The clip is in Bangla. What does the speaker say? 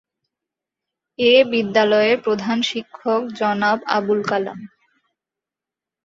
এ বিদ্যালয়ের প্রধান শিক্ষক জনাব আবুল কালাম।